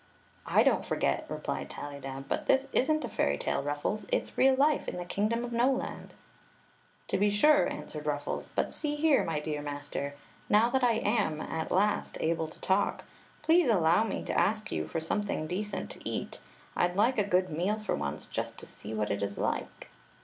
" I don't forget," replied Tallydab. « But this is n't a fairy tale. Ruffles. It 's real life in the kingdom of Noland" " To be sure," answered Ruffles. " But see here, my dear master: now that I am, at last, able to talk, please allow me to ask you for something decent to eat. I *d like a good meal for once, just to see what it is like."